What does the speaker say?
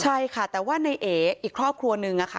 ใช่ค่ะแต่ว่าในเออีกครอบครัวนึงอะค่ะ